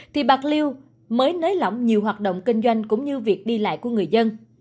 thì bạc liêu mới nới lỏng nhiều hoạt động kinh doanh cũng như việc đi lại của người dân